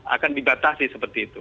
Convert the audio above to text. akan dibatasi seperti itu